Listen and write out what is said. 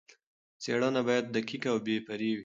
څېړنه باید دقیق او بې پرې وي.